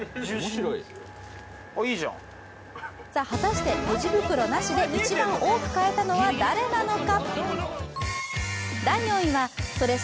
果たして、レジ袋なしで一番多く買えたのは誰なのか。